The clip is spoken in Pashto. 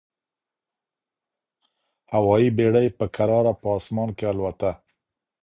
هوايي بېړۍ په کراره په اسمان کي البوته.